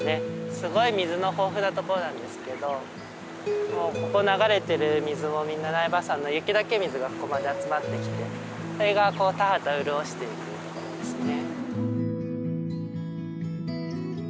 すごい水の豊富なところなんですけどここ流れてる水もみんな苗場山の雪解け水がここまで集まってきてそれが田畑潤しているところですね。